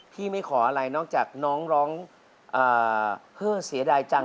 ไม่ขออะไรนอกจากน้องร้องเฮ้อเสียดายจัง